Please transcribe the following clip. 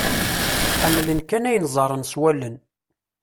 Ḥemmlen kan ayen ẓẓaren s wallen.